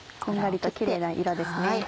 こんがりとキレイな色ですね。